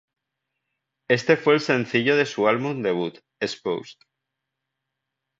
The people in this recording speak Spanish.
Este fue el sencillo de su álbum debut, "Exposed".